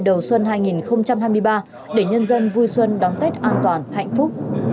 đầu xuân hai nghìn hai mươi ba để nhân dân vui xuân đón tết an toàn hạnh phúc